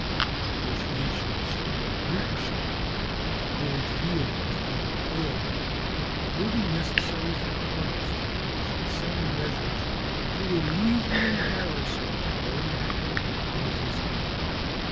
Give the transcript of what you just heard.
The negotiations for the relinquishment of the gold fields having failed, it will be necessary for Congress to adopt some measures to relieve the embarrassment growing out of the causes named.